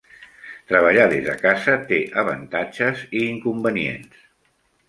Treballar des de casa té avantatges i inconvenients.